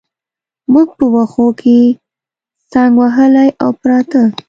موږ په وښو کې څنګ وهلي او پراته.